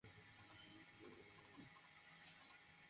সবার সাথে ঘুমানোকে, তুমি বিদ্যা বল কীভাবে?